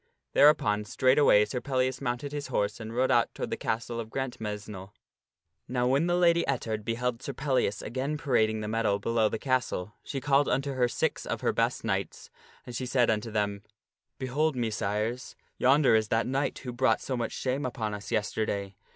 Thereupon straightway Sir Pellias mounted his horse and rode out toward the castle of Grantmesnle. Now when the Lady Ettard beheld Sir Pellias again parading the meadow below the castle, she called unto her six of her best knights, and she said unto them, " Behold, Messires, yonder is that knight who brought so much shame upon us yesterday.